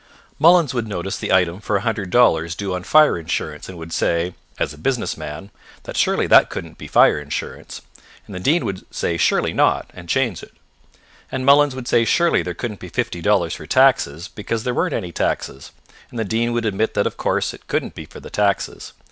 Mullins would notice the item for a hundred dollars due on fire insurance and would say; as a business man, that surely that couldn't be fire insurance, and the Dean would say surely not, and change it: and Mullins would say surely there couldn't be fifty dollars for taxes, because there weren't any taxes, and the Dean would admit that of course it couldn't be for the taxes.